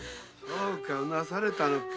そうかうなされたのか。